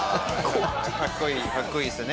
かっこいいっすね。